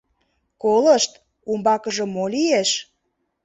— Колышт, умбакыже мо лиеш?